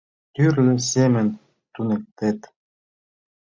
Тӱрлӧ семын туныктет